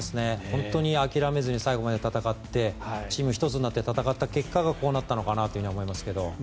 本当に諦めずに最後まで戦ってチーム１つになって戦った結果がこうなったのかなと思いますけど。